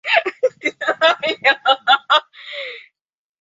Es protagonizada por Carolina Acevedo y Luis Fernando Hoyos.